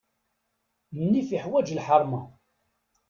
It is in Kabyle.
Nnif iḥwaǧ lḥeṛma.